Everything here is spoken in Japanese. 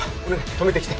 止めてきて。